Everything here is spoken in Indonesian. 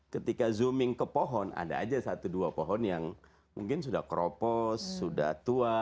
ketika zooming ke pohon ada aja satu dua pohon yang mungkin sudah keropos sudah tua